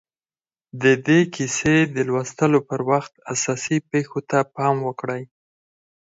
د دې کیسې د لوستلو پر وخت اساسي پېښو ته پام وکړئ